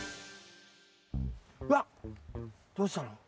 うわっどうしたの？